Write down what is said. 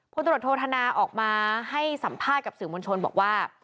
ตรวจโทษธนาออกมาให้สัมภาษณ์กับสื่อมวลชนบอกว่า